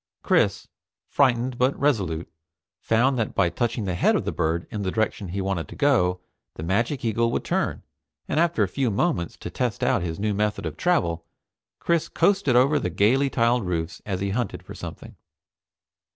Chris, frightened but resolute, found that by touching the head of the bird in the direction he wanted to go, the magic eagle would turn, and after a few moments to test out his new method of travel, Chris coasted over the gaily tiled roofs as he hunted for something.